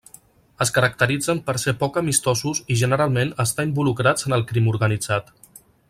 Es caracteritzen per ser poc amistosos i generalment estar involucrats en el crim organitzat.